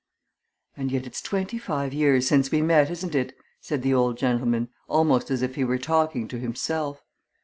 "And yet it's twenty five years since we met, isn't it?" said the old gentleman, almost as if he were talking to himself.